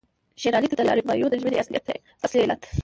شېر علي ته د لارډ مایو د ژمنې اصلي علت.